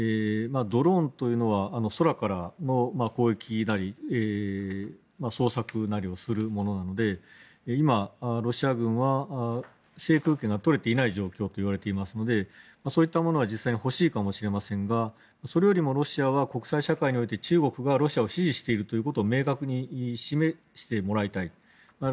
ドローンというのは空からの攻撃なり捜索なりをするものなので今、ロシア軍は制空権が取れていない状況といわれていますのでそういったものは実際に欲しいかもしれませんがそれよりもロシアは国際社会において中国がロシアを支持しているということを明確に示してもらいたい。